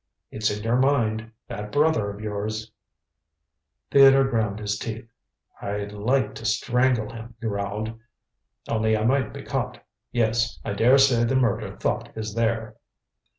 "It's in your mind. That brother of yours " Theodore ground his teeth. "I'd like to strangle him," he growled, "only I might be caught. Yes, I daresay the murder thought is there."